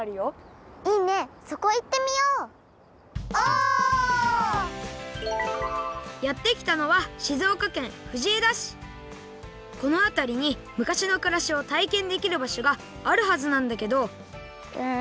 オ！やってきたのはこのあたりに昔のくらしをたいけんできるばしょがあるはずなんだけどうん。